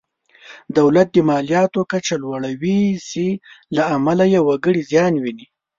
دولت د مالیاتو کچه لوړوي چې له امله یې وګړي زیان ویني.